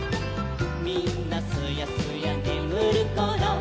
「みんなすやすやねむるころ」